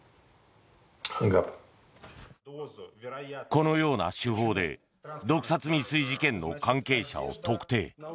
このような手法で毒殺未遂事件の関係者を特定。